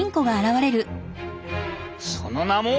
その名も。